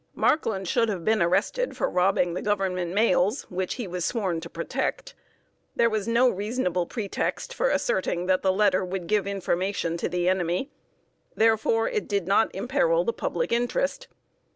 Markland should have been arrested for robbing the Government mails, which he was sworn to protect. There was no reasonable pretext for asserting that the letter would give information to the enemy; therefore it did not imperil the public interest.